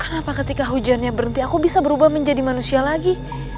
kenapa ketika hujannya berhenti aku bisa berubah menjadi manusia lagi